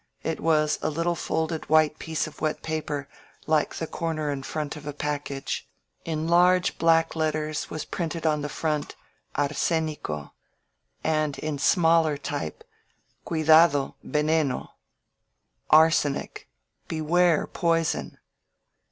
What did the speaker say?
It was a little folded white piece of wet paper, like the corner and front of a package. In large black letters was printed on the front, ARSENICOy and in smaller type, Cuidadol VenenoT* "Arsenic. Beware! Poison!"